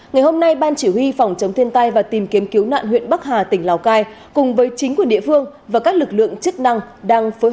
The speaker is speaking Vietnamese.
ngày hôm nay ban chỉ huy phòng chống thiên tai và tìm kiếm cứu nạn huyện bắc hà tỉnh lào cai cùng với chính quyền địa phương và các lực lượng chức năng đang phối hợp